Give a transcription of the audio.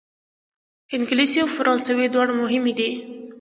انګلیسي او فرانسوي دواړه مهمې دي.